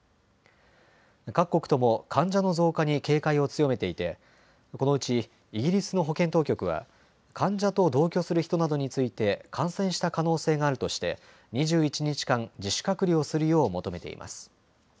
各国とも患者の増加に警戒を強めていてこのうちイギリスの保健当局は患者と同居する人などについて感染した可能性があるとして２１日間自主隔離をするよう求めています。